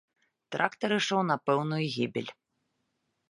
Трактар ішоў на пэўную гібель.